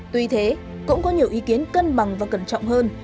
tuy thế cũng có nhiều ý kiến cân bằng và cẩn trọng hơn